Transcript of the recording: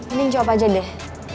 mending jawab aja deh